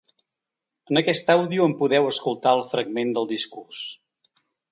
En aquest àudio en podeu escoltar el fragment del discurs.